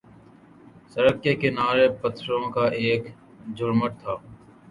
سڑک کے کنارے پتھروں کا ایک جھرمٹ تھا